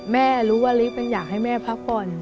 ไม่รู้ว่าลิฟต์มันอยากให้แม่พักผ่อน